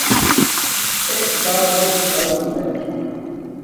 ایک راکاک بلتت تا نہ چھا